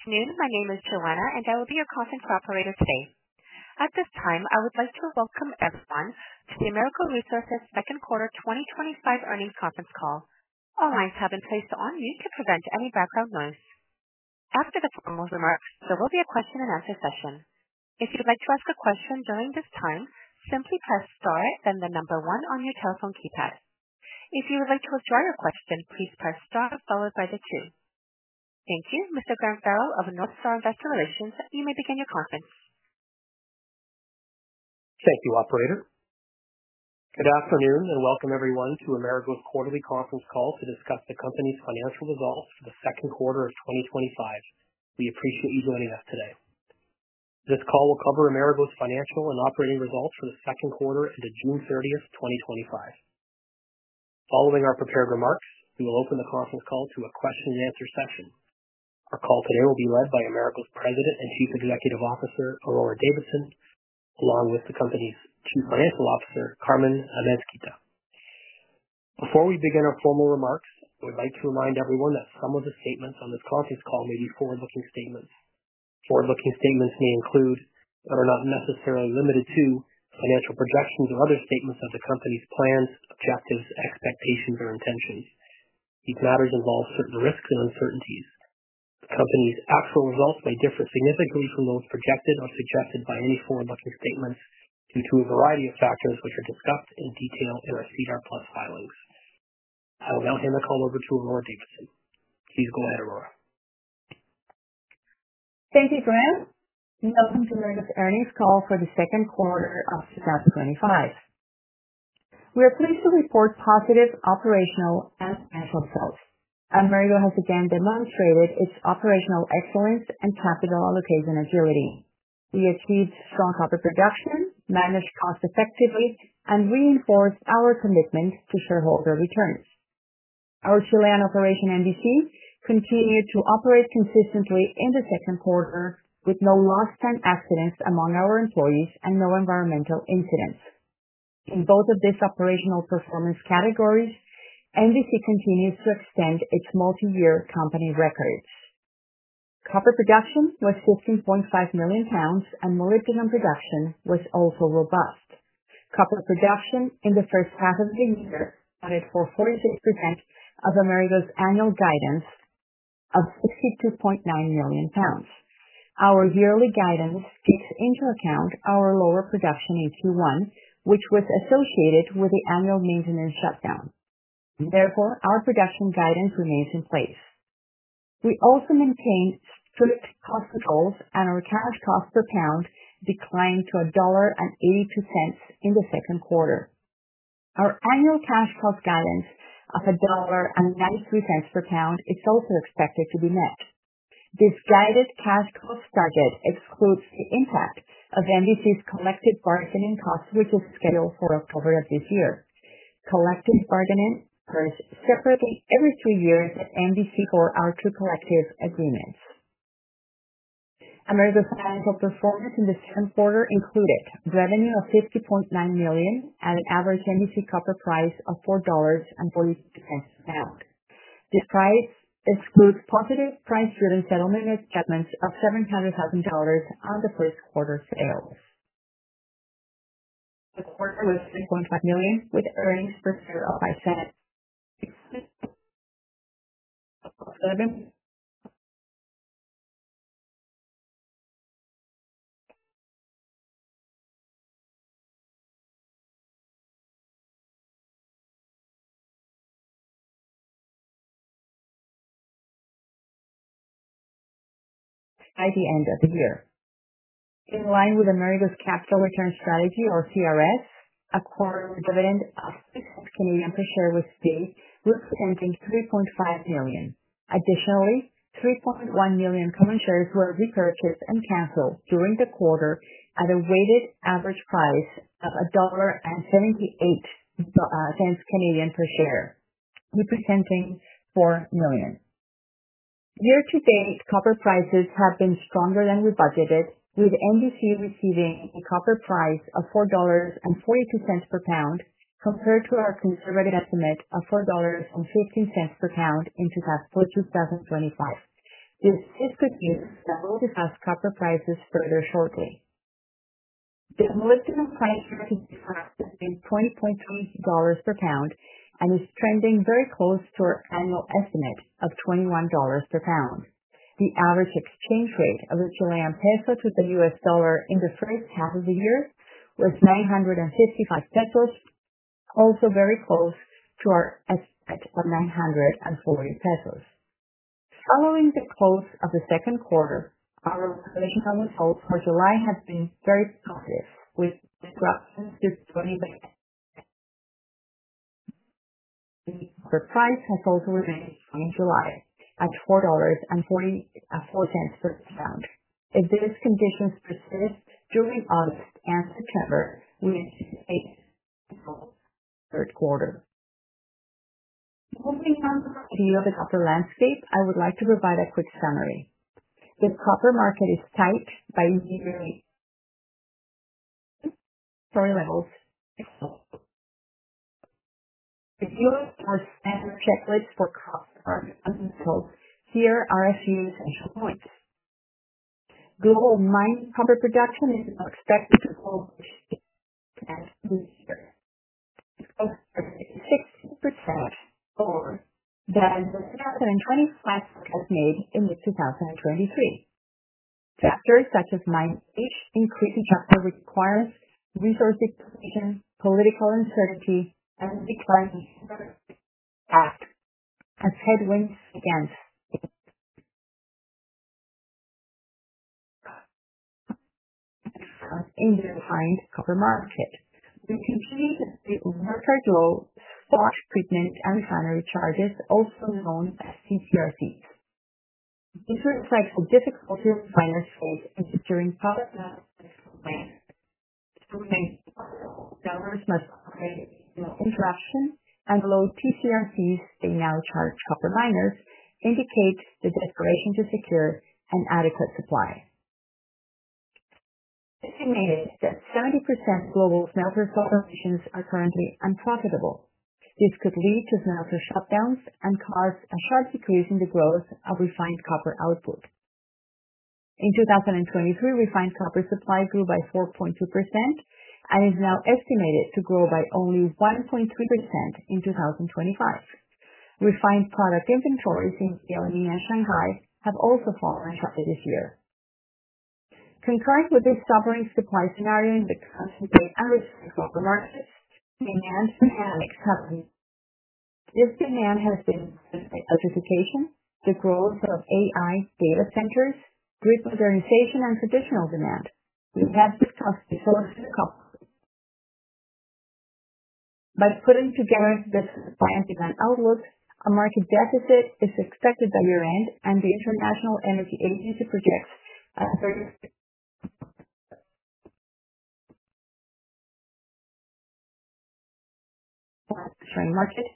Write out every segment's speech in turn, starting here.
Good evening. My name is Joanna, and I will be your conference cooperator today. At this time, I would like to welcome everyone to the Amerigo Resources econd Quarter 2025 Earnings Conference Call. All lines have been placed on mute to prevent any background noise. After the formal remarks, there will be a question and answer session. If you would like to ask a question during this time, simply press star and then the number one on your telephone keypad. If you would like to withdraw your question, please press star followed by the number two. Thank you. Mr. Graham Farrell of North Star Investor Relations, you may begin your conference. Thank you, operator. Good afternoon and welcome everyone to Amerigo's quarterly conference call to discuss the company's financial results for the second quarter of 2025. We appreciate you joining us today. This call will cover Amerigo's financial and operating results for the second quarter ended June 30, 2025. Following our prepared remarks, we will open the conference call to a question-and answer session. Our call today will be led by Amerigo's President and Chief Executive Officer, Aurora Davidson, along with the company's Chief Financial Officer, Carmen Amezquita. Before we begin our formal remarks, we'd like to remind everyone that some of the statements on this conference call may be forward-looking statements. Forward-looking statements may include, but are not necessarily limited to, financial projections or other statements of the company's plans, objectives, expectations, or intentions. These matters involve certain risks and uncertainties. The company's actual results may differ significantly from those projected or suggested by any forward-looking statements due to a variety of factors which are discussed in detail in our CRS. I will now hand the call over to Aurora Davidson. Please go ahead, Aurora. Thank you, Graham. You have come to learn this earnings call for the second quarter of 2025. We are pleased to report positive operational and expense outflows. Amerigo Resources has again demonstrated its operational excellence and capital allocation agility. We achieved strong copper production, managed cost effectively, and reinforced our commitment to shareholder returns. Our Chilean operation, Minera Valle Central, continued to operate consistently in the second quarter with no lost time excellence among our employees and no environmental incidents. In both of these operational performance categories, Minera Valle Central continues to extend its multi-year company records. Copper production was 15.5 million lbs, and margin on production was also robust. Copper production in the first half of the year had a 4.4% of Amerigo's annual guidance of 62.9 million lbs. Our yearly guidance takes into account our lower production in Q1, which was associated with the annual maintenance shutdown. Therefore, our production guidance remains in place. We also maintain strict cost goals, and our cash cost per pound declined to $1.82 in the second quarter. Our annual cash cost guidance of $1.93 per pound is also expected to be met. This guided cash cost target excludes the impact of Minera Valle Central's collective bargaining costs which was scheduled for October of this year. Collective bargaining occurs separately every three years at Minera Valle Central for our two collective agreements. Amerigo's annual performance in the second quarter included revenue of $50.9 million at an average Minera Valle Central copper price of $4.42 per pound. This price excludes positive price driven settlement of $700,000 on the first quarter sales. The quarter was $3.5 million with earnings per share of $0.05. By the end of the year, in line with Amerigo's capital return strategy, or CRS, a dividend of CA$0.06 per share was paid, corresponding to $3.5 million. Additionally, 3.1 million common shares were repurchased and canceled during the quarter at a weighted average price of CA$1.78 per share, representing $4 million. Year-to-date copper prices have been stronger than we budgeted, with Minera Valle Central receiving a copper price of $4.42 per pound compared to our revenue estimate of $4.15 per pound in 2025. We hope to see lower copper prices further shortly. The marginal price has been $20.22 per pound and is trending very close to our annual estimate of $21 per pound. The average exchange rate of the Chilean peso to the U.S. dollar in the first half of the year was 955 pesos, also very close to our estimate of 940 pesos. Following the close of the second quarter, our operational results for July have been very positive, with the price has also remained in July atf $4.40 per pound. If these conditions persist during August and September, we would aim to close the third quarter. Moving on to the U.S. corporate landscape, I would like to provide a quick summary. The corporate market is tight by using story levels. The U.S. has significant bridge forecasts for financials here are a few examples. Global mine corporate production is expected to close next quarter than the 2020 flat estimate in 2023. Factors such as mining increasingly requires resource depletion, political uncertainty, and declining costs as headwinds begin. In the high corporate market, you can see refrigerants, spot treatments, and refinery charges, also known as TCRCs. Interest rates and difficulty of finance tools exist during corporate finance to replace diverse methods of finance. Low TCRCs they now charge corporate miners indicates the desperation to secure an adequate supply. Estimating that 70% global smelter sources are currently unprofitable, this could lead to smelter shutdowns and cause a particular decrease in the growth of refined copper output. In 2023, refined copper supply grew by 4.2% and is now estimated to grow by only 1.3% in 2025. Refined product inventories in Germany and Shanghai have also fallen over this year. Concurrent with this stubborn supply scenario in the constantly increasing corporate market, demand has been a precipitation. The growth of AI data centers brings modernization and traditional demand. The events cause resources to go up. By putting together this planned demand outlook, a market deficit is expected by year-end and the International Energy Agency projects a market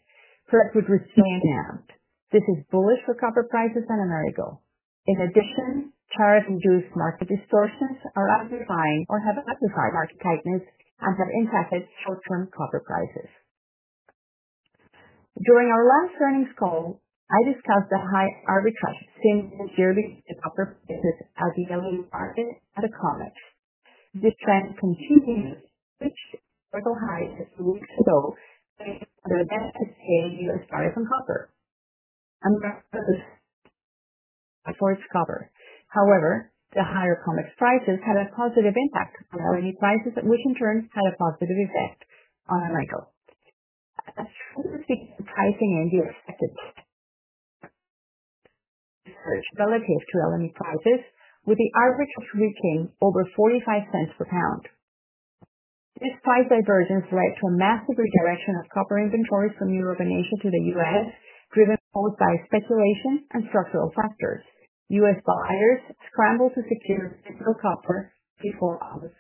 threat with resilient demand. This is bullish for corporate prices in Amerigo. In addition, tariffs on Jewish market resources are undefined or have undefined market partners and have impacted short-term corporate prices. During our last earnings call, I discussed the high arbitrage seen in the jewelry and copper prices as the governing market at a COMEX. This trend continues to go high in June. Under that scale, we are aside from copper. And that's the forex copper. However, the higher COMEX prices had a positive impact on our E.U. prices, which in turn had a positive effect on Amerigo. Pricing on copper relative to LME prices, with the average reaching over $0.45 per pound. This price divergence led to a massive redirection of copper inventories from the European Union to the U.S., driven both by speculation and structural factors. U.S. buyers scrambled to secure essential copper before August.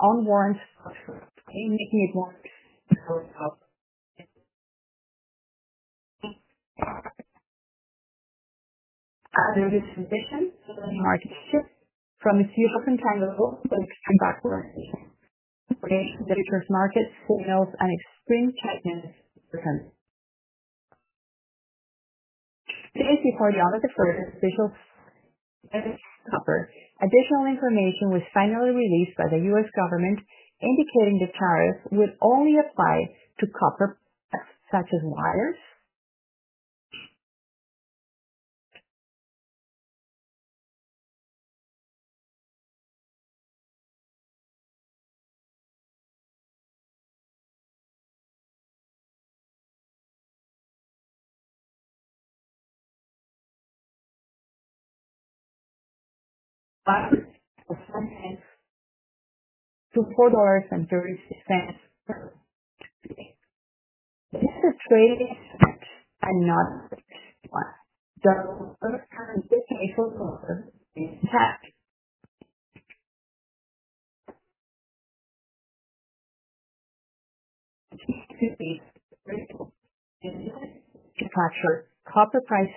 On warrants, only under the suspicions from a few different triangles of the markets, footnotes, and extreme tightness. The cardiometry flows, the copper. Additional information was finally released by the U.S. government indicating the tariffs would only apply to copper that is now $2.43. The factor copper price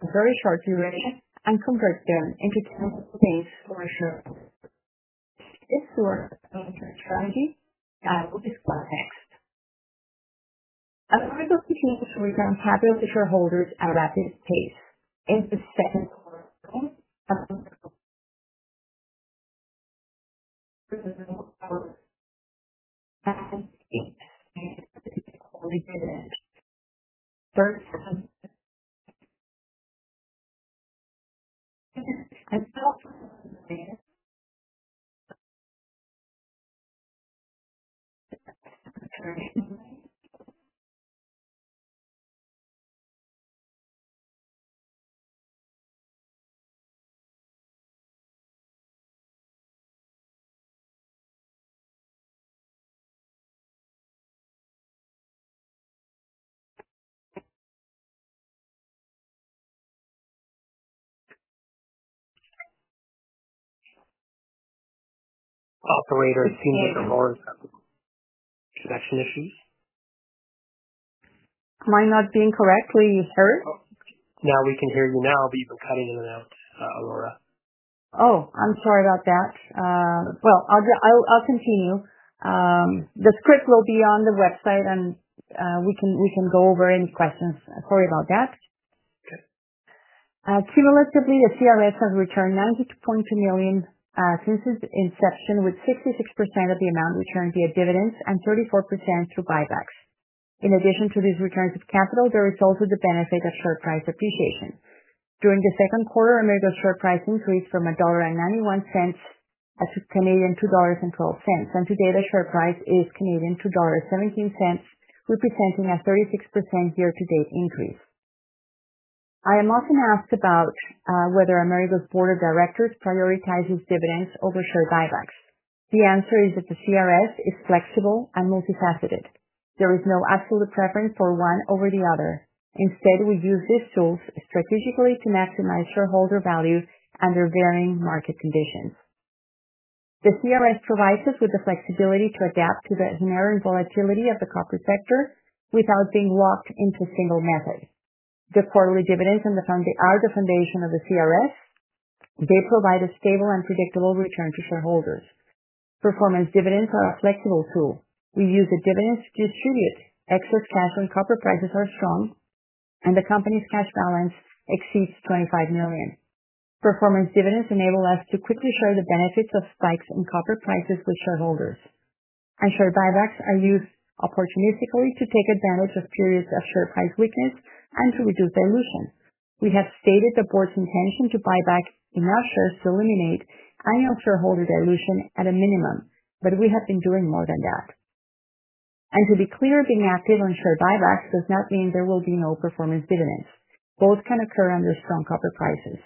was very short during and convert them into 10 points for my short. This was Friday. I will explain next. Amerigo's keeping with retail and capital different holders at a rapid pace. In the second quarter. Operator, seems that Aurora is back to listening. Am I not being correctly heard? Yeah, we can hear you now, but you've been cutting in and out, Aurora. Oh, I'm sorry about that. I'll continue. The script will be on the website, and we can go over any questions. Sorry about that. Okay. Cumulatively, the CRS has returned $90.2 million since its inception, with 66% of the amount returned via dividends and 34% through buybacks. In addition to these returns of capital, there is also the benefit of share price appreciation. During the second quarter, Amerigo's share pricing increased from $1.91 to $2.12. Today, the share price is $2.17, representing a 36% year-to-date increase. I am often asked about whether Amerigo's board of directors prioritizes dividends over share buybacks. The answer is that the CRS is flexible and multifaceted. There is no absolute preference for one over the other. Instead, we use these tools strategically to maximize shareholder value under varying market conditions. The CRS provides us with the flexibility to adapt to the inherent volatility of the corporate sector without being locked into a single method. The quarterly dividends are the foundation of the CRS. They provide a stable and predictable return to shareholders. Performance dividends are a flexible tool. We use the dividends to exceed excess cash when copper prices are strong and the company's cash balance exceeds $25 million. Performance dividends enable us to quickly share the benefits of spikes in copper prices with shareholders. Share buybacks are used opportunistically to take advantage of periods of share price weakness and to reduce dilution. We have stated the board's intention to buy back enough so as to eliminate annual shareholder dilution at a minimum, but we have been doing more than that. To be clear, being active on share buybacks does not mean there will be no performance dividends. Both can occur under strong copper prices.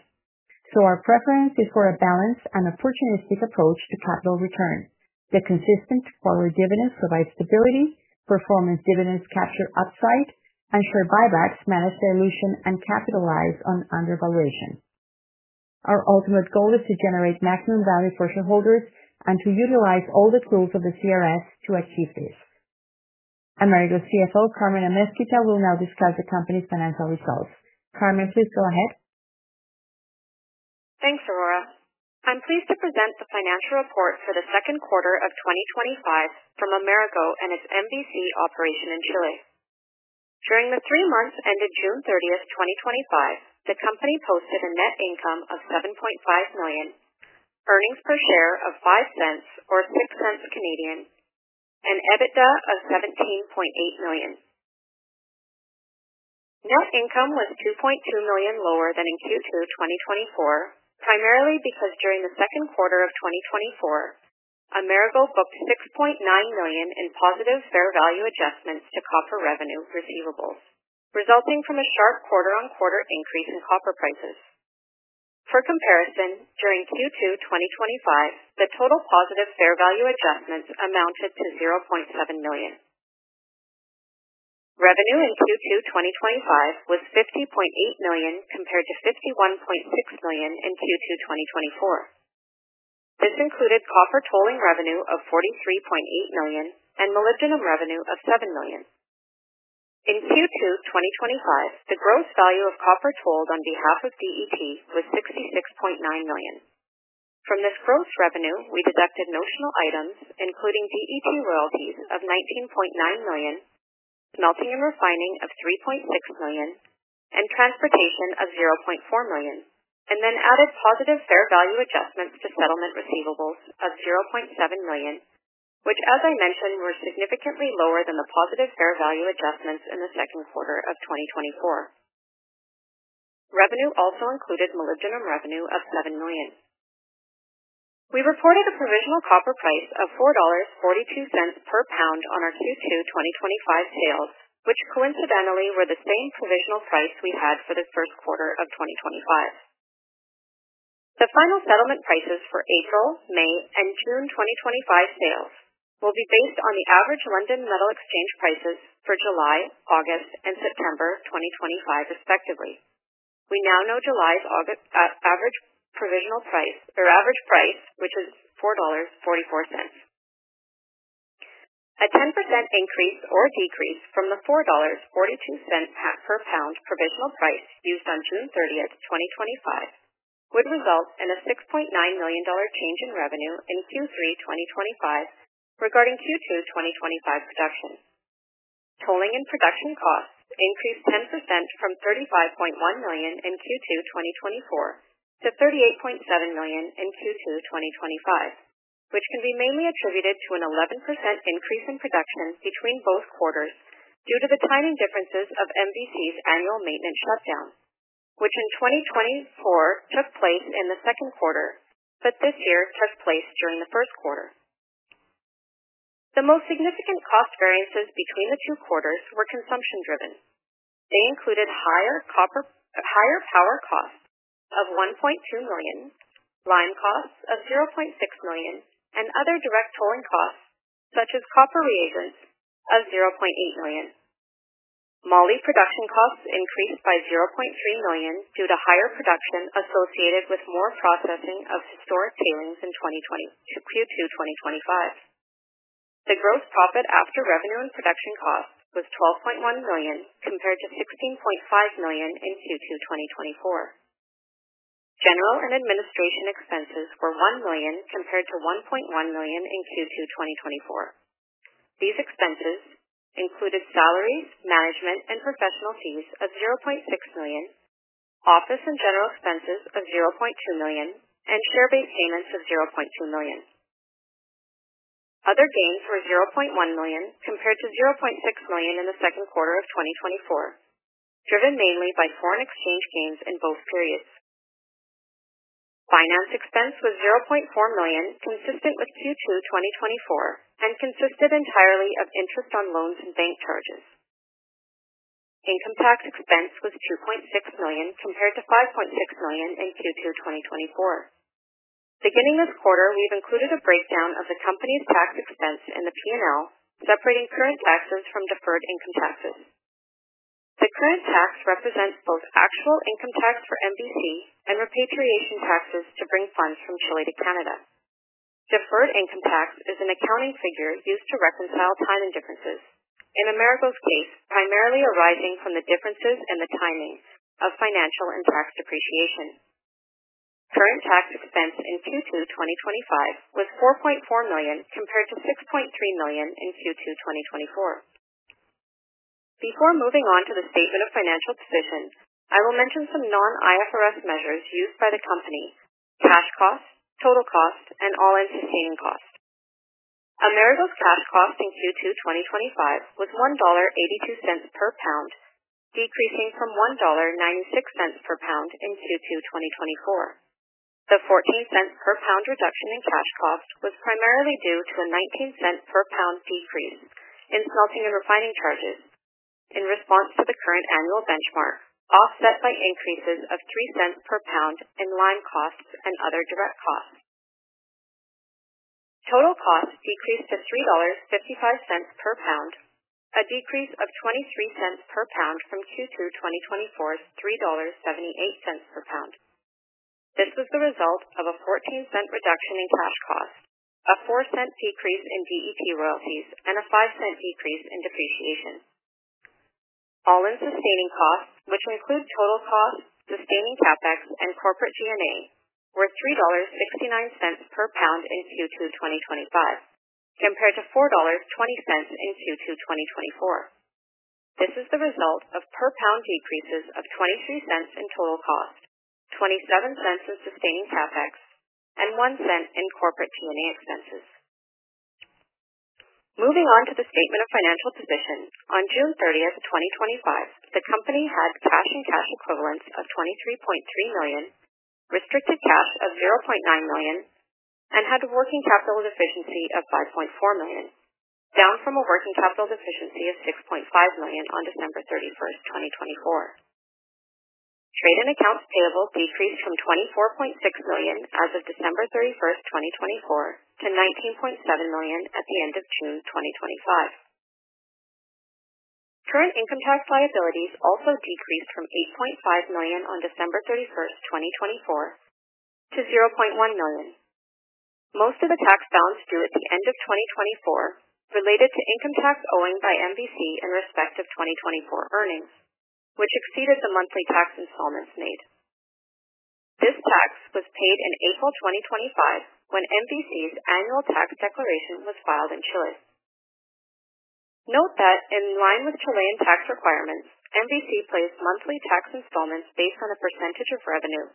Our preference is for a balanced and opportunistic approach to capital return. The consistent forward dividends provide stability, performance dividends capture upside, and share buybacks manage dilution and capitalize on undervaluation. Our ultimate goal is to generate maximum value for shareholders and to utilize all the tools of the CRS to achieve this. Amerigo's CFO, Carmen Amezquita, will now discuss the company's financial results. Carmen, please go ahead. Thanks, Aurora. I'm pleased to present the financial report for the second quarter of 2025 from Amerigo Resources and its Minera Valle Central operation in Chile. During the three months ended June 30, 2025, the company posted a net income of $7.5 million, earnings per share of $0.05, or 0.06, and EBITDA of $17.8 million. Net income was $2.2 million lower than in Q2 of 2024, primarily because during the second quarter of 2024, Amerigo Resources booked $6.9 million in positive fair value adjustments to copper revenue receivables, resulting from a sharp quarter-on-quarter increase in copper prices. For comparison, during Q2 2025, the total positive fair value adjustments amounted to $0.7 million. Revenue in Q2 2025 was $50.8 million compared to $51.6 million in Q2 2024. This included copper tolling revenue of $43.8 million and molybdenum revenue of $7 million. In Q2 2025, the gross value of copper tolled on behalf of DEP was $66.9 million. From this gross revenue, we deducted notional items, including DEP royalties of $19.9 million, smelting and refining of $3.6 million, and transportation of $0.4 million, and then added positive fair value adjustments to settlement receivables of $0.7 million, which, as I mentioned, were significantly lower than the positive fair value adjustments in the second quarter of 2024. Revenue also included molybdenum revenue of $7 million. We reported a provisional copper price of $4.42 per pound on our Q2 2025 sales, which coincidentally was the same provisional price we had for the first quarter of 2025. The final settlement prices for April, May, and June 2025 sales will be based on the average London Metal Exchange prices for July, August, and September of 2025, respectively. We now know July's average provisional price, or average price, which is $4.44. A 10% increase or decrease from the $4.42 per pound provisional price used on June 30, 2025, would result in a $6.9 million change in revenue in Q3 2025 regarding Q2 2025 production. Tolling and production costs increased 10% from $35.1 million in Q2 2024 to $38.7 million in Q2 2025, which can be mainly attributed to an 11% increase in production between both quarters due to the timing differences of Minera Valle Central's annual maintenance shutdown, which in 2024 took place in the second quarter, but this year took place during the first quarter. The most significant cost variances between the two quarters were consumption-driven. They included higher power costs of $1.2 million, line costs of $0.6 million, and other direct tolling costs, such as copper reagents, of $0.8 million. Moly production costs increased by $0.3 million due to higher production associated with more processing of historic tailings in Q2 2025. The gross profit after revenue and production costs was $12.1 million compared to $16.5 million in Q2 2024. General and administration expenses were $1 million compared to $1.1 million in Q2 2024. These expenses included salaries, management, and professional fees of $0.6 million, office and general expenses of $0.2 million, and share-based payments of $0.2 million. Other gains were $0.1 million compared to $0.6 million in the second quarter of 2024, driven mainly by foreign exchange gains in both periods. Finance expense was $0.4 million, consistent with Q2 2024, and consisted entirely of interest on loans and bank charges. Income tax expense was $2.6 million compared to $5.6 million in Q2 2024. Beginning this quarter, we've included a breakdown of the company's tax expense in the P&L, separating current taxes from deferred income taxes. The current tax represents both actual income tax for Minera Valle Central and repatriation taxes to bring funds from Chile to Canada. Deferred income tax is an accounting figure used to reconcile timing differences, in Amerigo' case, primarily arising from the differences in the timings of financial and tax depreciation. Current tax expense in Q2 2025 was $4.4 million compared to $6.3 million in Q2 2024. Before moving on to the statement of financial decisions, I will mention some non-IFRS measures used by the company: cash cost, total cost, and all-in sustaining costs. Amerigo's cash cost in Q2 2025 was $1.82 per pound, decreasing from $1.96 per pound in Q2 2024. The $0.14 per pound reduction in cash cost was primarily due to a $0.19 per pound decrease in smelting and refining charges in response to the current annual benchmark, offset by increases of $0.03 per pound in line costs and other direct costs. Total costs decreased to $3.55 per pound, a decrease of $0.23 per pound from Q2 2024's $3.78 per pound. This was the result of a $0.14 reduction in cash cost, a $0.04 decrease in DEP royalties, and a $0.05 decrease in depreciation. All-in sustaining costs, which include total costs, sustaining capex, and corporate tier name, were $3.69 per pound in Q2 2025 compared to $4.20 in Q2 2024. This is the result of per pound decreases of $0.23 in total cost, $0.27 in sustaining CapEx, and $0.01 in corporate to your name expenses. Moving on to the statement of financial position, on June 30, 2025, the company had cash equivalents of $23.3 million, restricted cash of $0.9 million, and had a working capital deficiency of $5.4 million, down from a working capital deficiency of $6.5 million on December 31, 2024. Trade and accounts payable decreased from $24.6 million as of December 31, 2024, to $19.7 million at the end of June 2025. Current income tax liabilities also decreased from $8.5 million on December 31, 2024 to $0.1 million. Most of the tax balance due at the end of 2024 related to income tax owing by MVC in respect of 2024 earnings, which exceeded the monthly tax installments made. This tax was paid in April 2025 when MVC's annual tax declaration was filed in Chile. Note that in line with Chilean tax requirements, MVC placed monthly tax installments based on a percentage of revenue,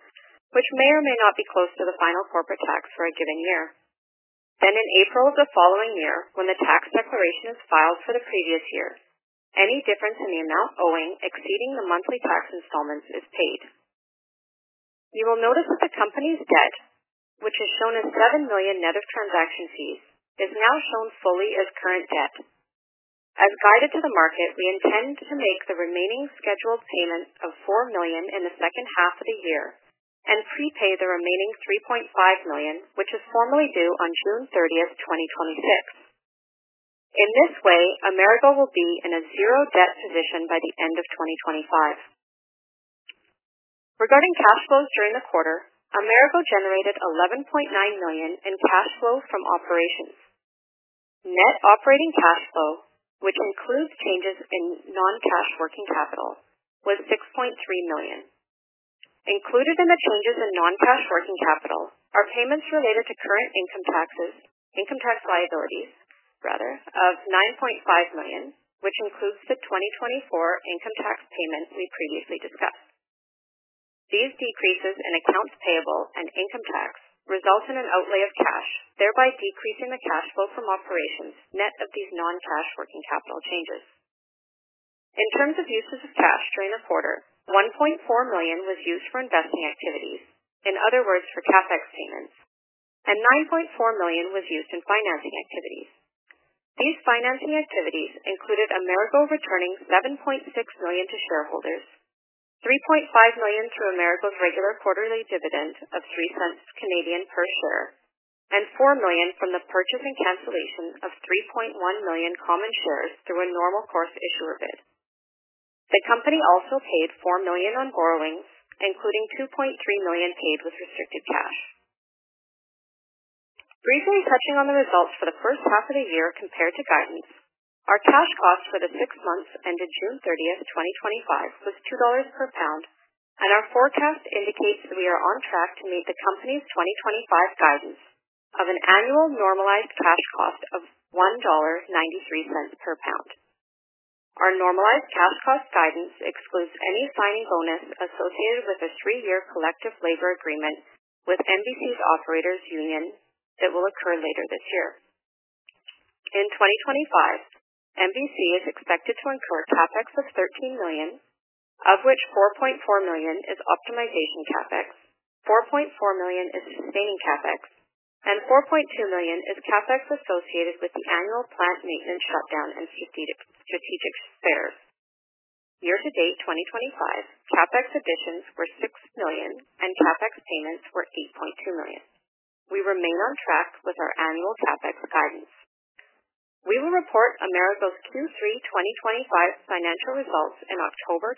which may or may not be close to the final corporate tax for a given year. In April of the following year, when the tax declaration is filed for the previous year, any difference in the amount owing exceeding the monthly tax installments is paid. You will notice that the company's debt, which is shown as $7 million net of transaction fees, is now shown fully as current debt. As guided to the market, we intend to make the remaining scheduled payment of $4 million in the second half of the year and prepay the remaining $3.5 million, which is formally due on June 30, 2026. In this way, Amerigo will be in a zero-debt position by the end of 2025. Regarding cash flows during the quarter, Amerigo generated $11.9 million in cash flows from operations. Net operating cash flow, which includes changes in non-cash working capital, was $6.3 million. Included in the changes in non-cash working capital are payments related to current income taxes, income tax liabilities, rather, of $9.5 million, which includes the 2024 income tax payments we previously discussed. These decreases in accounts payable and income tax result in an outlay of cash, thereby decreasing the cash flow from operations net of these non-cash working capital changes. In terms of uses of cash during the quarter, $1.4 million was used for investing activities, in other words, for CapEx payments, and $9.4 million was used in financing activities. These financing activities included Amerigo Resources returning $7.6 million to shareholders, $3.5 million through Amerigo's regular quarterly dividend of $0.03 Canadian per share, and $4 million from the purchase and cancellation of 3.1 million common shares through a normal course issuer bid. The company also paid $4 million on borrowings, including $2.3 million paid with restricted cash. Briefly touching on the results for the first half of the year compared to guidance, our cash cost for the six months ended June 30, 2025, was $2 per pound, and our forecast indicates that we are on track to meet the company's 2025 guidance of an annual normalized cash cost of $1.93 per pound. Our normalized cash cost guidance excludes any signing bonus associated with a three-year collective labor agreement with Minera Valle Central's operator's union that will occur later this year. In 2025, Minera Valle Central is expected to incur CapEx of $13 million, of which $4.4 million is optimization CapEx, $4.4 million is sustained CapEx, and $4.2 million is CapEx associated with the annual plant maintenance shutdown and strategic spares. Year-to-date 2025, CapEx additions were $6 million and CapEx payments were $8.2 million. We remain on track with our annual CapEx guidance. We will report Amerigo' Q3 2025 financial results in October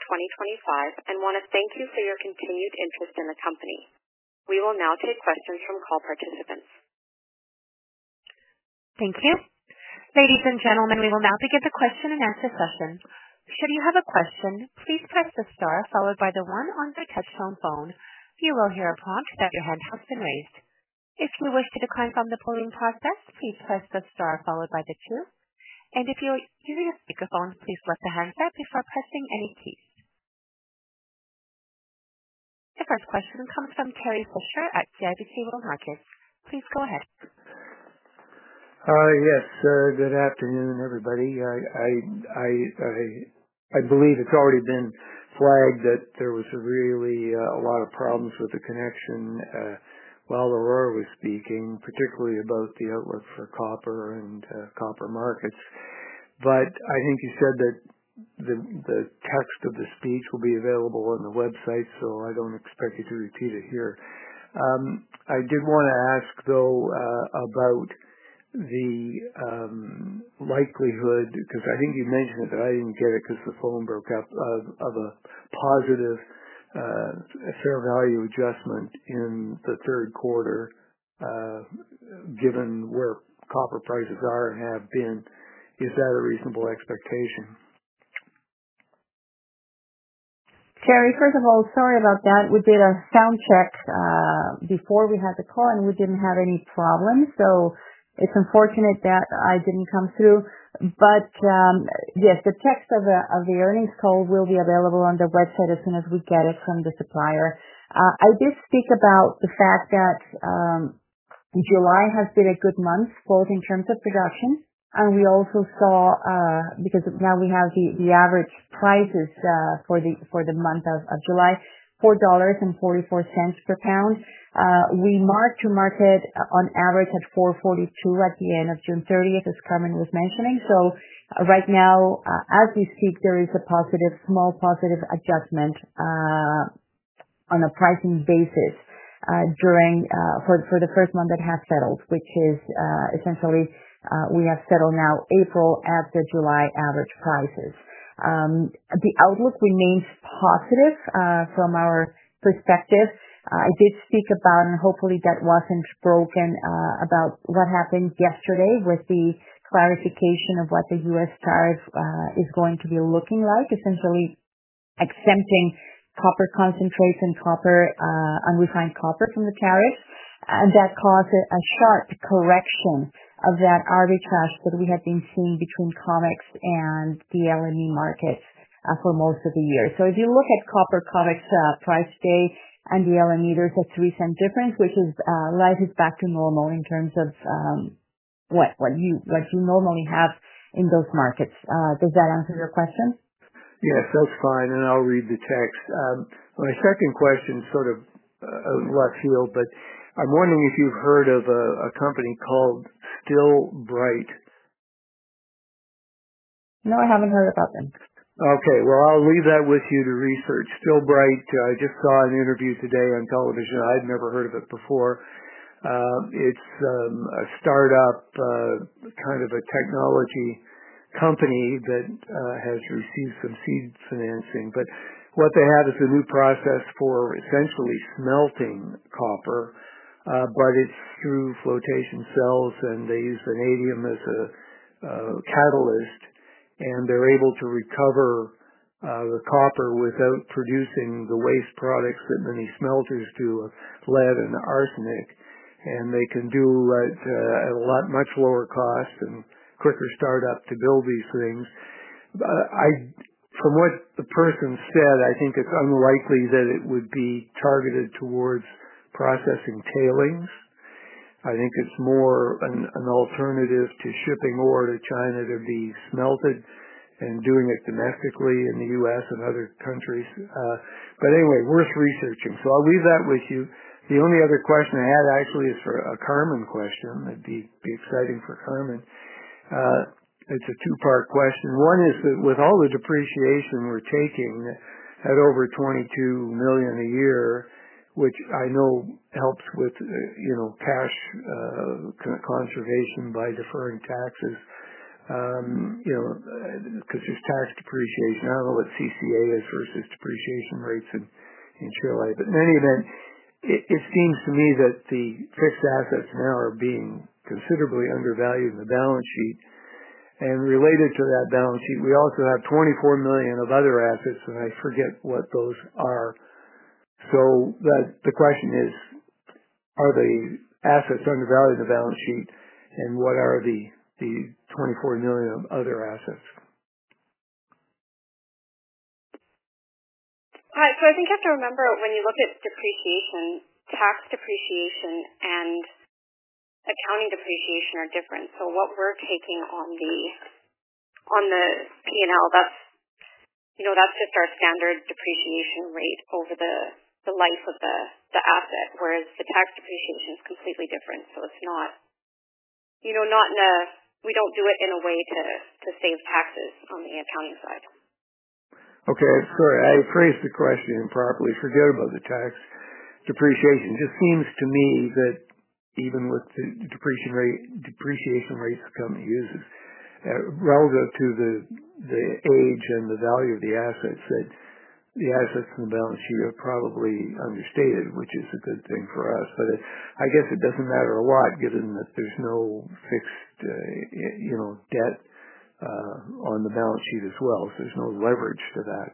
2025 and want to thank you for your continued interest in the company. We will now take questions from call participants. Thank you. Ladies and gentlemen, we will now begin the question-and-answer session. Should you have a question, please press the star followed by the one on the telephone. You will hear a prompt that your hand has been raised. If you wish to decline from the polling process, please press the star followed by the two. If you're using a speakerphone, please lift the handset before pressing any keys. The first question comes from Terry Sumpto at CIBC Markets. Please go ahead. Yes, good afternoon, everybody. I believe it's already been flagged that there was really a lot of problems with the connection while Aurora was speaking, particularly about the outlook for copper and copper markets. I think you said that the text of the speech will be available on the website, so I don't expect you to repeat it here. I did want to ask, though, about the likelihood, because I think you mentioned it, but I didn't get it because the phone broke up, of a positive share value adjustment in the third quarter, given where copper prices are and have been. Is that a reasonable expectation? Terry, first of all, sorry about that. We did a sound check before we had the call, and we didn't have any problems. It's unfortunate that I didn't come through. Yes, the text of the earnings call will be available on the website as soon as we get it from the supplier. I did speak about the fact that July has been a good month, both in terms of production, and we also saw, because now we have the average prices for the month of July, $4.44 per pound. We marked to market on average at $4.42 at the end of June 30, as Carmen was mentioning. Right now, as we speak, there is a small positive adjustment on a pricing basis for the first month that has settled, which is, essentially, we have settled now April after July average prices. The outlook remains positive from our perspective. I did speak about, and hopefully that wasn't broken, what happened yesterday with the clarification of what the U.S. tariff is going to be looking like, essentially exempting copper concentrates and unrefined copper from the tariffs. That caused a sharp correction of that arbitrage that we have been seeing between COMEX and the LME markets for most of the year. If you look at copper COMEX price today and the LME, there's a $0.03 difference, which rises back to normal in terms of what you normally have in those markets. Does that answer your question? Yes, that's fine. I'll read the text. My second question is sort of a left field, but I'm wondering if you've heard of a company called Stillbright. No, I haven't heard about them. Okay. I'll leave that with you to research. Stillbright, I just saw an interview today on television. I'd never heard of it before. It's a startup, kind of a technology company that has received some seed financing. What they have is a new process for essentially smelting copper, but it's through flotation cells, and they use vanadium as a catalyst, and they're able to recover the copper without producing the waste products that many smelters do, lead and arsenic. They can do it at a much lower cost and quicker startup to build these things. From what the person said, I think it's unlikely that it would be targeted towards processing tailings. I think it's more an alternative to shipping ore to China to be smelted and doing it domestically in the U.S. and other countries. Anyway, worth researching. I'll leave that with you. The only other question I had actually is for a Carmen question. It'd be exciting for Carmen. It's a two-part question. One is that with all the depreciation we're taking at over $22 million a year, which I know helps with cash conservation by deferring taxes, because it's tax depreciation. I don't know what CCA is versus depreciation rates in Chile. In any event, it seems to me that the fixed assets now are being considerably undervalued in the balance sheet. Related to that balance sheet, we also have $24 million of other assets, and I forget what those are. The question is, are the assets undervalued in the balance sheet, and what are the $24 million of other assets? I think you have to remember when you look at depreciation, tax depreciation and accounting depreciation are different. What we're taking on the P&L, that's just our standard depreciation rate over the life of the asset, whereas the tax depreciation is completely different. It's not, you know, not in a, we don't do it in a way to save taxes on the accounting side. Okay. Sorry. I phrased the question improperly. Forget about the tax depreciation. It just seems to me that even with the depreciation rates the company uses, relative to the age and the value of the assets, the assets on the balance sheet are probably understated, which is a good thing for us. I guess it doesn't matter a lot given that there's no fixed debt on the balance sheet as well. There's no leverage for that.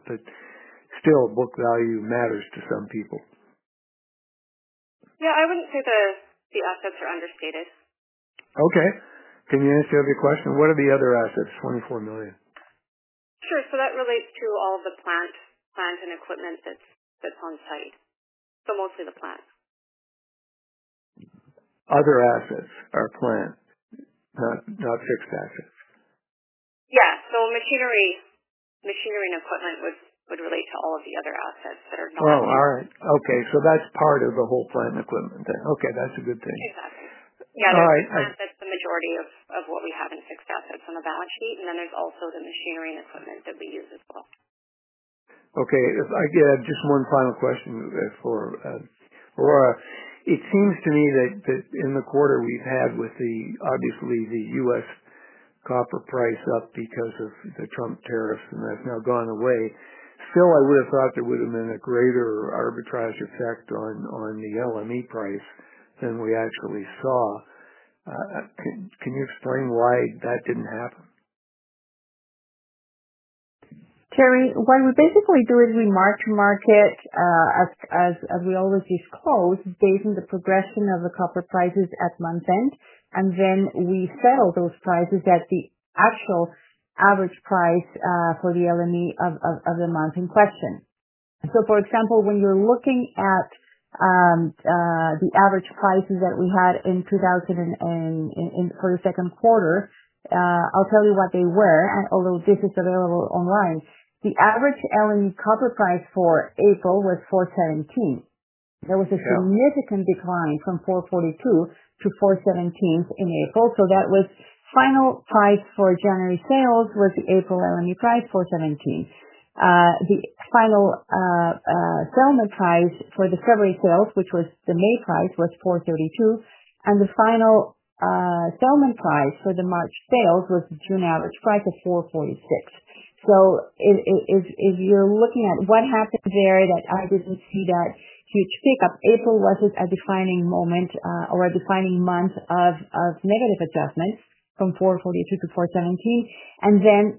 Still, book value matters to some people. I wouldn't say the assets are understated. Okay. Can you answer the other question? What are the other assets, $24 million? Sure. That relates to all the plant, plant and equipment that's on site, mostly the plant. Other assets are plants, not fixed assets. Machinery and equipment would relate to all of the other assets that are coming. All right. Okay. That's part of the whole plant and equipment then. Okay, that's a good thing. Exactly. Yeah. All right. That's the majority of what we have in fixed assets on the balance sheet. There's also the machinery and equipment that we use as well. Okay. If I could add just one final question for Aurora. It seems to me that in the quarter we've had, obviously, the U.S. copper price up because of the Trump tariffs and that's now gone away, still, I would have thought there would have been a greater arbitrage effect on the LME price than we actually saw. Can you explain why that didn't happen? Terry, what we basically do is we mark to market, as real as these close based on the progression of the copper prices at month end. We sell those prices at the actual average price for the LME of the month in question. For example, when you're looking at the average prices that we had in 2023 for the second quarter, I'll tell you what they were, although this is available online. The average LME copper price for April was $4.17. There was a significant decline from $4.42-$4.17 in April. That was the final price for January sales, which was the April LME price, $4.17. The final settlement price for the February sales, which was the May price, was $4.32. The final settlement price for the March sales was the June average price of $4.46. If you're looking at what happened there, I didn't see that huge pickup. April wasn't a defining moment or a defining month of negative adjustments from $4.42-$4.17. For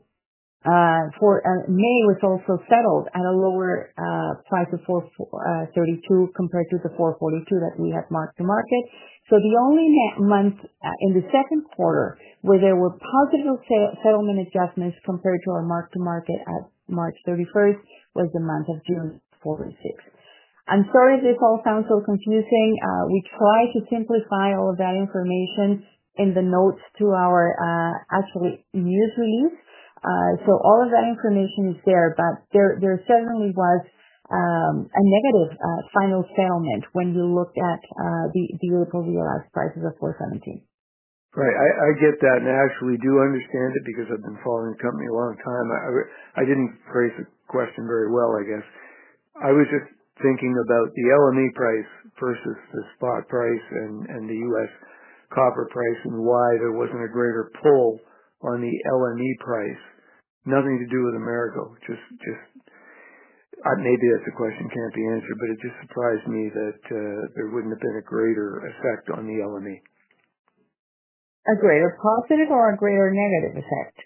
May, it was also settled at a lower price of $4.32 compared to the $4.42 that we had marked to market. The only month in the second quarter where there were positive settlement adjustments compared to our marked to market at March 31 was the month of June, $4.46. I'm sorry if this all sounds so confusing. We try to simplify all of that information in the notes to our actual news release. All of that information is there, but there certainly was a negative final settlement when you looked at the April realized prices of $4.17. Right. I get that. I actually do understand it because I've been following the company a long time. I didn't phrase the question very well, I guess. I was just thinking about the LME price versus the spot price and the U.S. copper price and why there wasn't a greater pull on the LME price. Nothing to do with Amerigo. Maybe that's a question that can't be answered, but it just surprised me that there wouldn't have been a greater effect on the LME. A greater positive or a greater negative effect?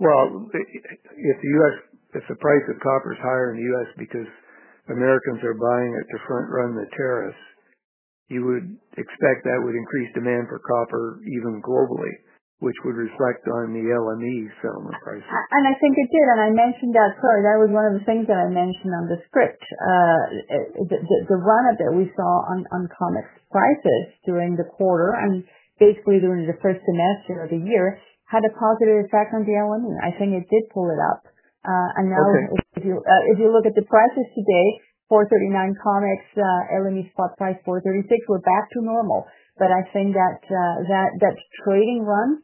If the U.S., if the price of copper is higher in the U.S. because Americans are buying it to front run the tariffs, you would expect that would increase demand for copper even globally, which would reflect on the LME settlement prices. I think it did. I mentioned that, Curt, that was one of the things that I mentioned on the script. The run-up that we saw on COMEX prices during the quarter and basically during the first semester of the year had a positive effect on the LME. I think it did pull it up, and now. Okay. If you look at the prices today, $4.39 COMEX, LME spot price $4.36, we're back to normal. I think that trading run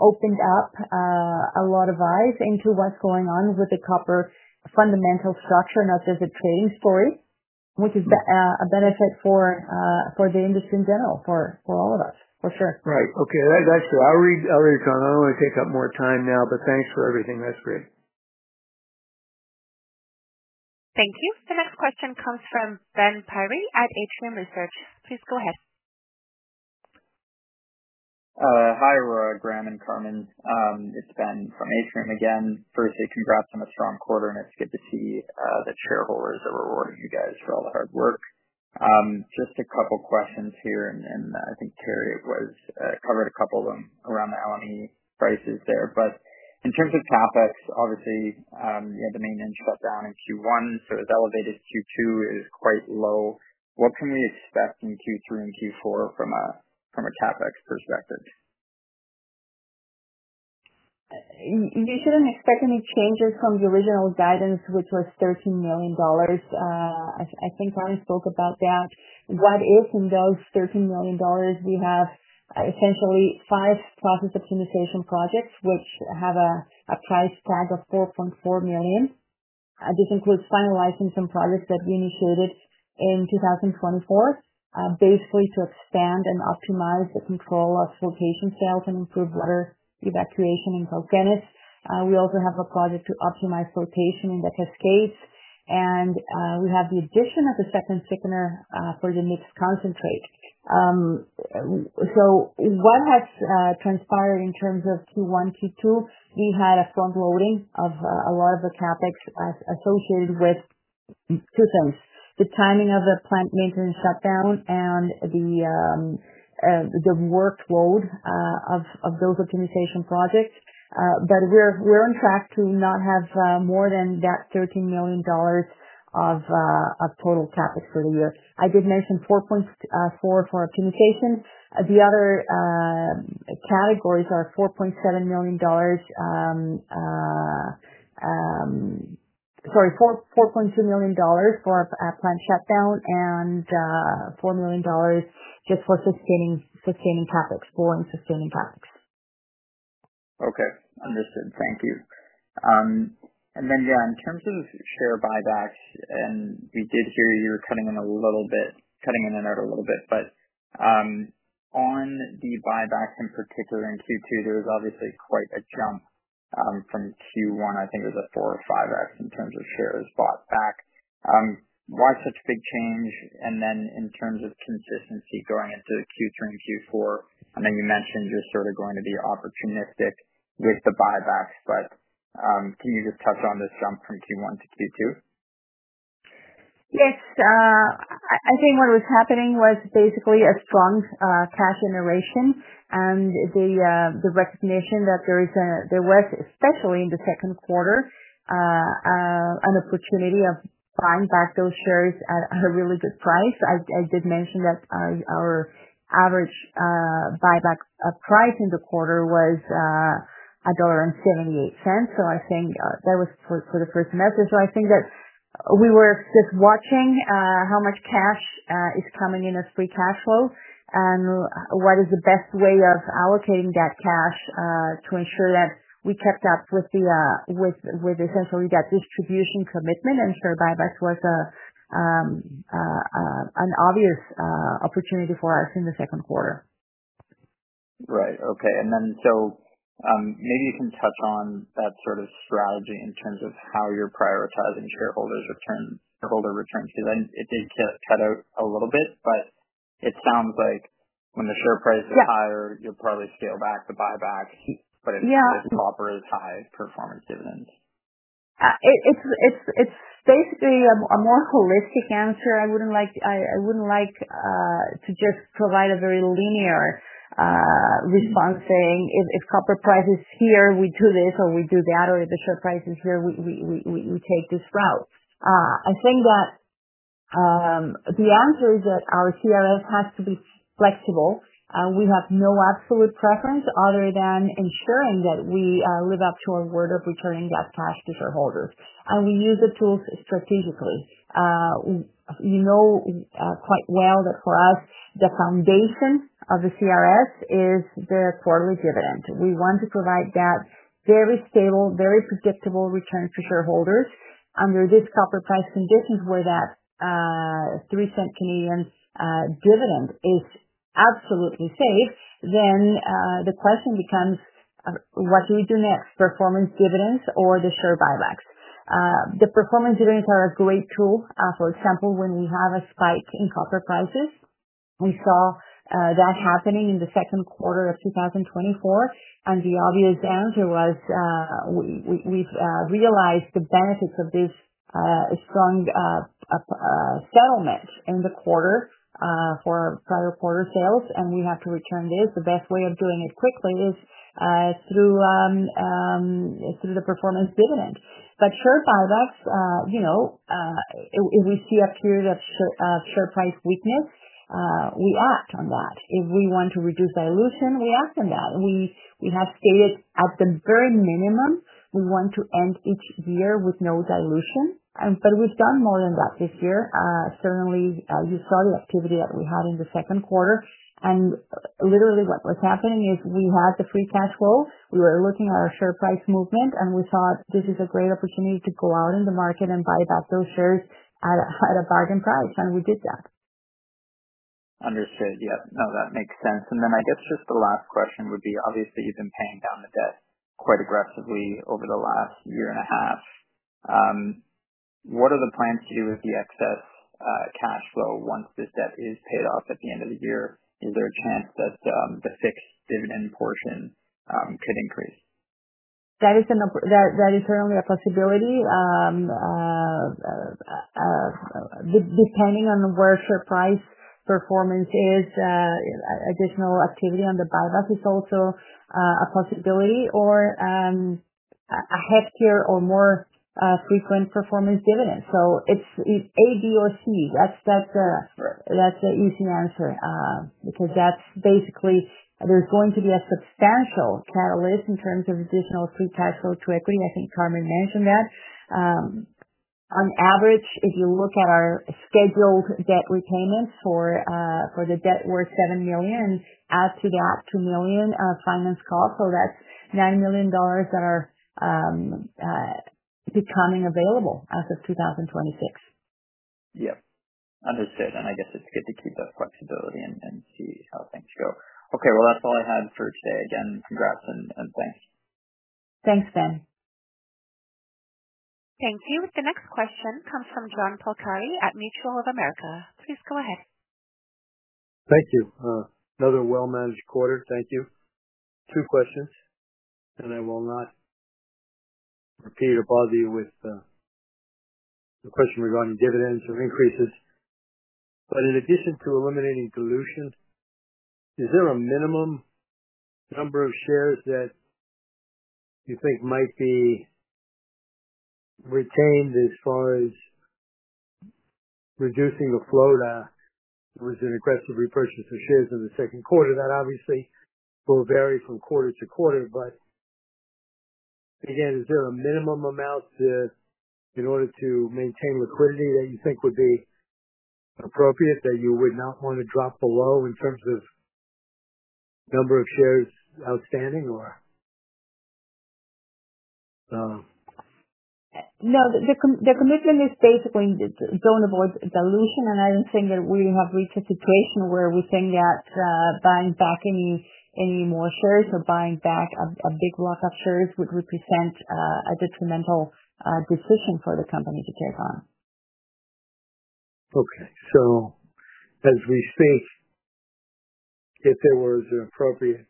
opened up a lot of eyes into what's going on with the copper fundamental structure, not just a trading story, which is a benefit for the industry in general, for all of us, for sure. Right. Okay. That's good. I'll read, I'll read, Carmen. I don't want to take up more time now, but thanks for everything. That's great. Thank you. The next question comes from Ben Pirie at Atrium Research. Please go ahead. Hi, Aurora, Graham, and Carmen. It's Ben from Atrium Research again. First, Atrium dropped on a strong quarter, and it's good to see the shareholders are rewarding you guys for all the hard work. Just a couple of questions here. I think Terry covered a couple of them around the LME prices there. In terms of capex, obviously, you know, the main inch fell down in Q1, so it was elevated in Q2, it was quite low. What can we expect in Q3 and Q4 from a capex perspective? You couldn't expect any changes from the original guidance, which was $13 million. I think Carmen spoke about that. What is in those $13 million? We have essentially five process optimization projects, which have a price tag of $12.4 million. This includes finalizing some projects that we initiated in 2024, basically to expand and optimize the control of flotation cells and improve water evacuation in Coconus. We also have a project to optimize flotation in the Cascades. We have the addition of a second thickener for the NIPS concentrate. What has transpired in terms of Q1 and Q2? We had a front-loading of a lot of the capex as associated with two things: the timing of the plant maintenance shutdown and the workload of those optimization projects. We're on track to not have more than that $13 million of total capital for the year. I did mention $4.4 million for optimization. The other categories are $4.2 million for a plant shutdown and $4 million just for sustaining capex, growing sustaining capex. Okay. Understood. Thank you. In terms of share buybacks, we did hear you were cutting in and out a little bit, but on the buybacks in particular in Q2, there was obviously quite a jump from Q1. I think it was a 4 or 5X in terms of shares bought back. Why such a big change? In terms of consistency going into Q3 and Q4, I know you mentioned you're sort of going to be opportunistic with the buybacks, but can you just touch on this jump from Q1-Q2? Yes. I think what was happening was basically strong cash generation and the recognition that there was, especially in the second quarter, an opportunity of buying back those shares at a really good price. I did mention that our average buyback price in the quarter was $1.78. I think that was for the first semester. I think that we were just watching how much cash is coming in as free cash flow and what is the best way of allocating that cash to ensure that we kept up with essentially that distribution commitment. Share buybacks was an obvious opportunity for us in the second quarter. Right. Okay. Maybe you can touch on that sort of strategy in terms of how you're prioritizing shareholder returns. I think it did cut out a little bit, but it sounds like when the share price is higher, you'll probably scale back the buybacks, but it's just to operate as high as performance dividends. It's basically a more holistic answer. I wouldn't like to just provide a very linear response saying if copper price is here, we do this or we do that, or if the share price is here, we take this route. I think that the answer is that our CRS has to be flexible. We have no absolute preference other than ensuring that we live up to our word of return and gas tax to shareholders. We use the tools strategically. You know quite well that for us, the foundation of the CRS is the quarterly dividend. We want to provide that very stable, very predictable return to shareholders. Under this copper price condition, where that $0.03 Canadian dividend is absolutely safe, the question becomes, what do we do next? Performance dividends or the share buybacks? The performance dividends are a great tool. For example, when you have a spike in copper prices, we saw that happening in the second quarter of 2024. The obvious answer was, we've realized the benefits of this strong settlement in the quarters for our prior quarter sales, and we have to return this. The best way of doing it quickly is through the performance dividend. Share buybacks, you know, if we see a period of share price weakness, we act on that. If we want to reduce dilution, we act on that. We have stated at the very minimum, we want to end each year with no dilution. In fact, we've done more than that this year. Certainly, you saw the activity that we had in the second quarter. Literally, what was happening is we had the free cash flow. We were looking at our share price movement, and we thought this is a great opportunity to go out in the market and buy back those shares at a bargain price. We did that. Understood. Yeah, that makes sense. I guess just the last question would be, obviously, you've been paying down the debt quite aggressively over the last year and a half. What are the plans to do with the excess cash flow once this debt is paid off at the end of the year? Is there a chance that the fixed dividend portion could increase? That is certainly a possibility. Depending on where share price performance is, additional activity on the buyback is also a possibility, or a heftier or more frequent performance dividend. It's A, B, or C. That's the easy answer, because basically, there's going to be a substantial catalyst in terms of additional free cash flow to equity. I think Carmen mentioned that. On average, if you look at our scheduled debt repayments for the debt worth $7 million, add to that $2 million of finance costs. That's $9 million that are becoming available as of 2026. Understood. I guess it's good to keep that flexibility and see how things go. That's all I had for today. Again, congrats and thanks. Thanks, Ben. Thank you. The next question comes from John Polcari at Mutual of America. Please go ahead. Thank you. Another well-managed quarter. Thank you. Two questions, and I will not repeat or bother you with the question regarding dividends or increases. In addition to eliminating dilutions, is there a minimum number of shares that you think might be retained as far as reducing the flow to, was it aggressive repurchase of shares in the second quarter? That obviously will vary from quarter to quarter. Again, is there a minimum amount to, in order to maintain liquidity that you think would be appropriate, that you would not want to drop below in terms of the number of shares outstanding, or? No. The commitment is basically driven towards dilution, and I don't think that we have reached a situation where we think that buying back any more shares or buying back a big block of shares would represent a detrimental decision for the company to take on. As we speak, if there was an appropriate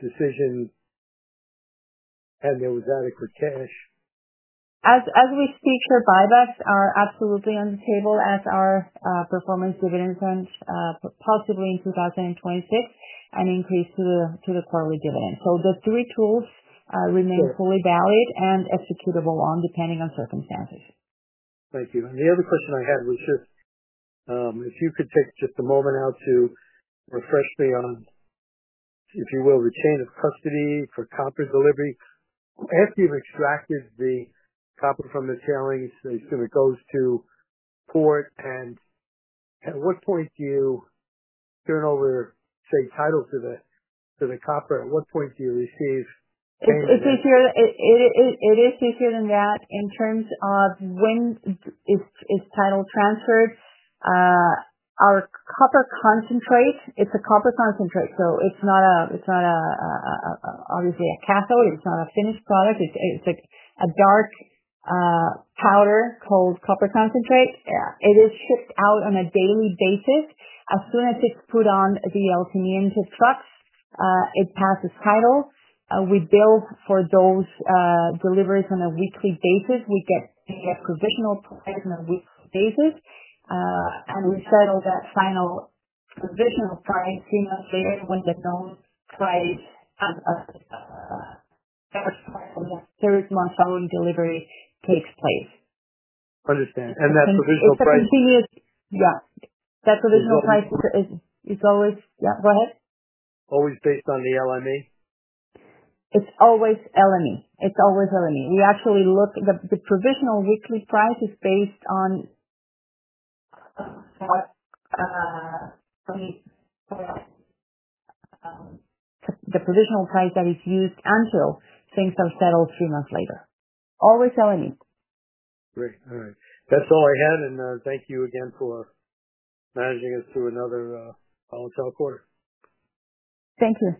decision and there was adequate cash. As we speak, share buybacks are absolutely on the table, as are performance dividends and possibly in 2026 an increase to the quarterly dividend. The three tools remain fully valid and executable depending on circumstances. Thank you. The other question I had was just, if you could take just a moment out to refresh me on, if you will, retain the custody for copper delivery. After you've extracted the copper from the tailings, it goes to the port, and at what point do you turn over, say, title to the, to the copper? At what point do you receive? It's easier. It is easier than that in terms of when is title transferred. Our copper concentrate, it's a copper concentrate. It's not a cathode. It's not a finished product. It's a dark powder called copper concentrate. It is shipped out on a daily basis. As soon as it's put on the El Teniente trucks, it passes title. We bill for those deliveries on a weekly basis. We get a provisional price on a weekly basis, and we settle that final provisional price sooner or later when the known price of the third month following delivery takes place. I understand. That provisional price. Yes, that provisional price is, it's always, yeah, go ahead. Always based on the LME? It's always LME. It's always LME. We actually look at the provisional weekly price, which is based on the provisional price that is used until things are settled, sooner or later. Always LME. Great. All right. That's all I had. Thank you again for managing us through another volatile quarter. Thank you.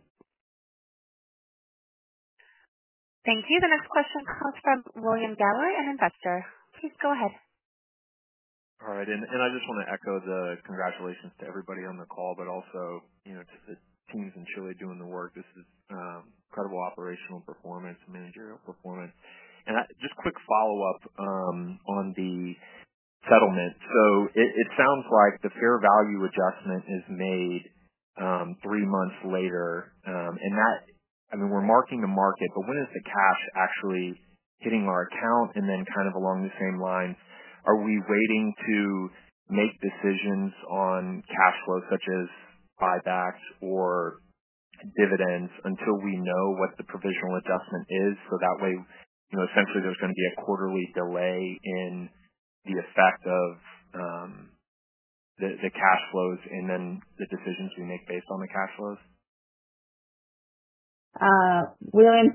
Thank you. The next question comes from William Gower, an investor. Please go ahead. All right. I just want to echo the congratulations to everybody on the call, but also to the teams in Chile doing the work. This is incredible operational performance and managerial performance. I just have a quick follow-up on the settlement. It sounds like the fair value adjustment is made three months later. I mean, we're marking the market, but when is the cash actually hitting our account? Along the same lines, are we waiting to make decisions on cash flow such as buybacks or dividends until we know what the provisional adjustment is? That way, essentially, there's going to be a quarterly delay in the effect of the cash flows and then the decisions we make based on the cash flows?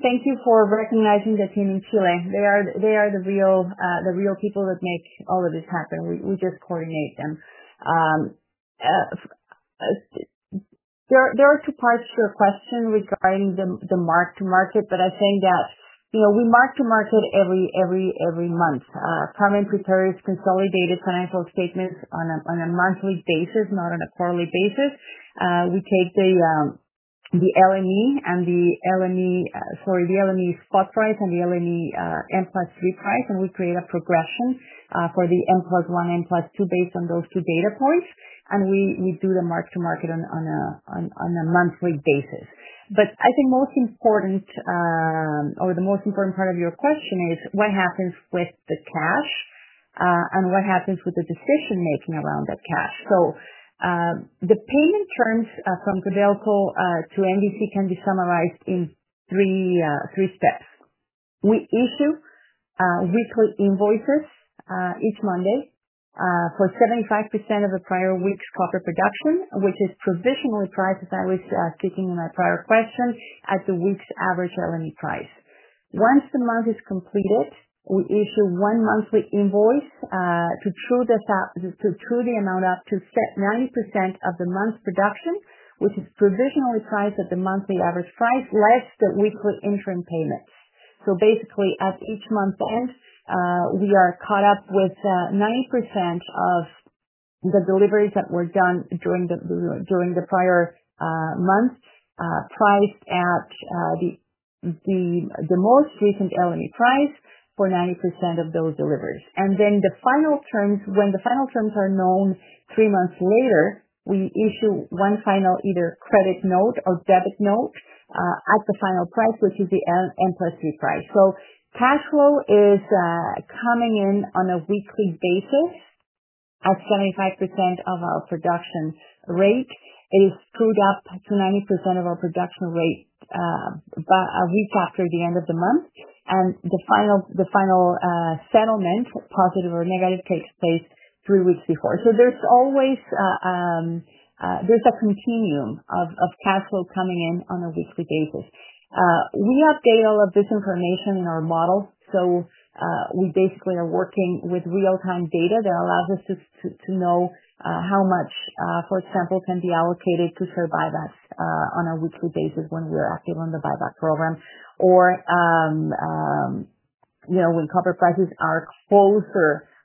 Thank you for recognizing the team in Chile. They are the real people that make all of this happen. We just coordinate them. There are two parts to the question regarding the marked to market, but I think that we marked to market every month. Carmen prepares consolidated financial statements on a monthly basis, not on a quarterly basis. We take the LME spot price and the LME M plus 3 price, and we create a progression for the M plus 1, M plus 2 based on those two data points. We do the marked to market on a monthly basis. I think the most important part of your question is what happens with the cash, and what happens with the decision-making around that cash. The payment terms from Codelco to Minera Valle Central can be summarized in three steps. We issue weekly invoices each Monday for 75% of the prior week's copper production, which is provisionally priced as I was speaking in my prior question at the week's average LME price. Once the month is completed, we issue one monthly invoice to true the amount up to 90% of the month's production, which is provisionally priced at the monthly average price less the weekly interim payment. Basically, at each month end, we are caught up with 90% of the deliveries that were done during the prior month, priced at the most recent LME price for 90% of those deliveries. When the final terms are known three months later, we issue one final either credit note or debit note at the final price, which is the M plus 3 price. Cash flow is coming in on a weekly basis of 75% of our production rate. It is trued up to 90% of our production rate by a week after the end of the month. The final settlement, positive or negative, takes place three weeks before. There is always a continuum of cash flow coming in on a weekly basis. We update all of this information in our model. We basically are working with real-time data that allows us to know how much, for example, can be allocated to share buybacks on a weekly basis when we're active on the buyback program. Or, when copper prices are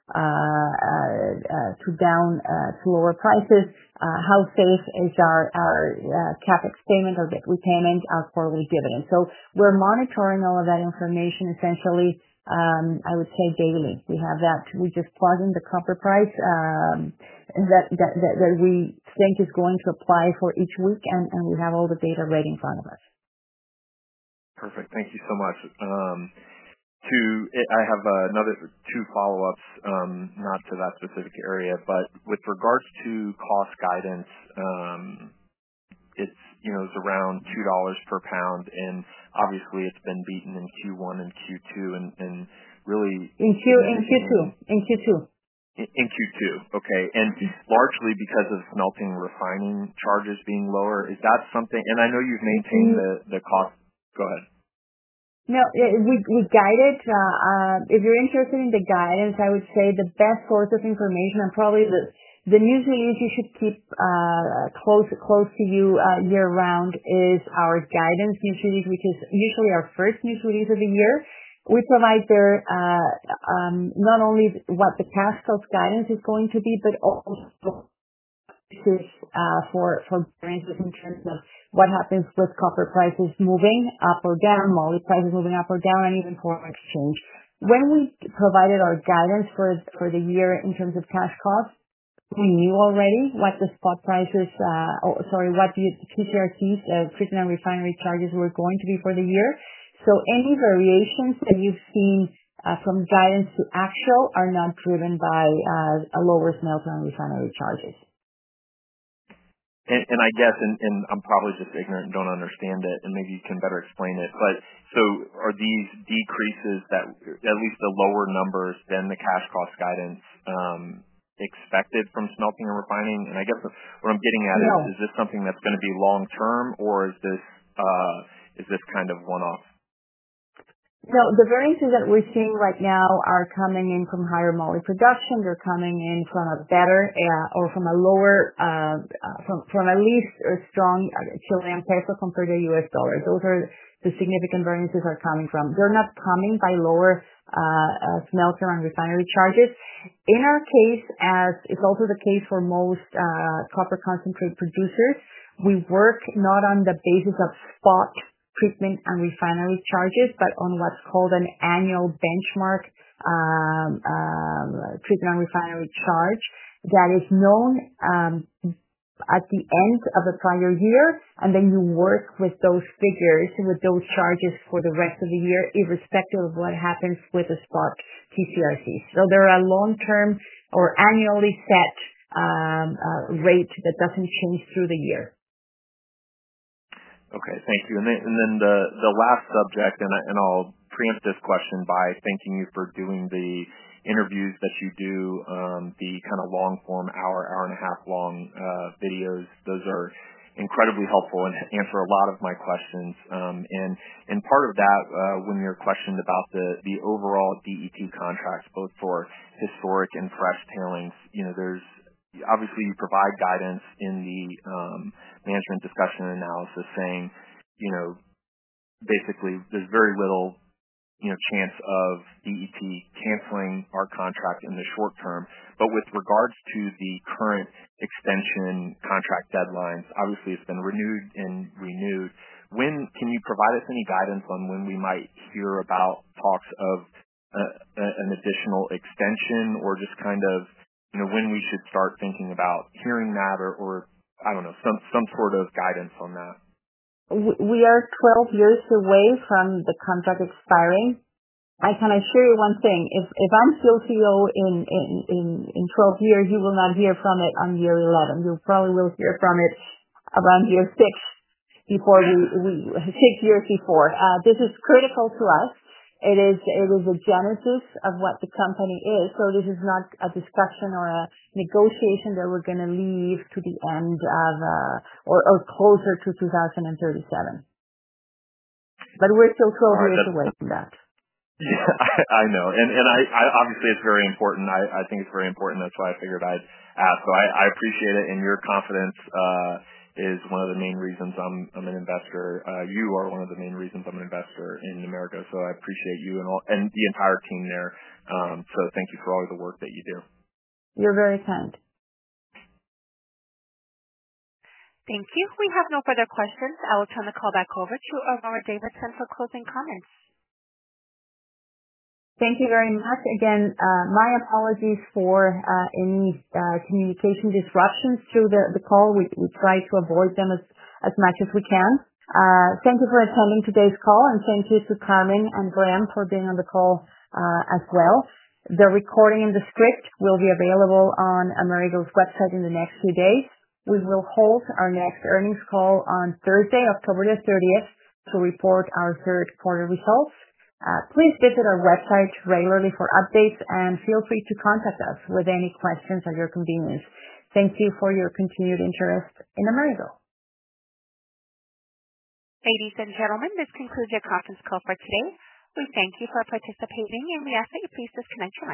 close or down, slower prices, how safe is our CapEx payment or weekly payment as quarterly dividends? We are monitoring all of that information essentially, I would say, daily. We have that. We just plug in the copper price that we think is going to apply for each week, and we have all the data right in front of us. Perfect. Thank you so much. I have another two follow-ups, not to that specific area, but with regards to cost guidance. It's, you know, it's around $2 per pound. Obviously, it's been beaten in Q1 and Q2, and really. In Q2. In Q2, okay, largely because of smelting and refining charges being lower. Is that something? I know you've maintained the cost. Go ahead. No. Yeah, we guide it. If you're interested in the guidance, I would say the best source of information and probably the news release you should keep close to you year-round is our guidance news release, which is usually our first news release of the year. We provide there not only what the cash flow guidance is going to be, but also to search for experiences in terms of what happens to those copper prices moving up or down, moly prices moving up or down, and even forward sales. When we provided our guidance for the year in terms of cash cost, we knew already what the spot prices, oh, sorry, what the TCRCs, the treatment and refining charges, were going to be for the year. Any variations that you've seen from guidance to actual are not driven by lower smelt and refinery charges. I guess I'm probably just ignorant and don't understand it, and maybe you can better explain it. Are these decreases at least the lower numbers than the cash cost guidance expected from smelting and refining? I guess what I'm getting at is, is this something that's going to be long-term, or is this kind of one-off? The variances that we're seeing right now are coming in from higher moly productions. They're coming in from a better, or from a lower, from at least a strong Chilean peso compared to U.S. dollar. Those are the significant variances that are coming from. They're not coming by lower smelter and refinery charges. In our case, as is also the case for most copper concentrate producers, we work not on the basis of spot treatment and refining charges, but on what's called an annual benchmark treatment and refining charge that is known at the end of the prior year. You work with those figures and with those charges for the rest of the year, irrespective of what happens with the spot TCRCs. There are long-term or annually set rates that don't change through the year. Okay. Thank you. The last subject, and I'll preempt this question by thanking you for doing the interviews that you do, the kind of long form, hour, hour and a half long videos. Those are incredibly helpful and answer a lot of my questions. Part of that, when you're questioned about the overall DEP contracts, both for historic and fresh tailings, you know, obviously, you provide guidance in the management discussion and analysis saying, basically, there's very little chance of DEP canceling our contract in the short term. With regards to the current extension contract deadlines, obviously, it's been renewed and renewed. When can you provide us any guidance on when we might hear about talks of an additional extension or just kind of when we could start thinking about hearing that or, I don't know, some sort of guidance on that? We are 12 years away from the contract expiring. Can I share you one thing? If I'm Codelco, in 12 years, you will not hear from it on year 11. You probably will hear from it around year 6, 6 years before. This is critical to us. It is a genesis of what the company is. This is not a discussion or a negotiation that we're going to leave to the end of, or closer to 2037. We're still 12 years away from that. Yeah, I know. It's very important. I think it's very important. That's why I figured I'd ask. I appreciate it, and your confidence is one of the main reasons I'm an investor. You are one of the main reasons I'm an investor in Amerigo Resources. I appreciate you and the entire team there. Thank you for all of the work that you do. You're very kind. Thank you. If we have no further questions, I will turn the call back over to Aurora Davidson for closing comments. Thank you very much. Again, my apologies for any communication disruptions through the call. We try to avoid them as much as we can. Thank you for attending today's call, and thank you to Carmen and Graham for being on the call as well. The recording and the script will be available on Amerigo's website in the next few days. We will hold our next earnings call on Thursday, October 30, to report our third quarter results. Please visit our website regularly for updates, and feel free to contact us with any questions at your convenience. Thank you for your continued interest in Amerigo. Ladies and gentlemen, this concludes our conference call for today. We thank you for participating, and we ask that you please disconnect now.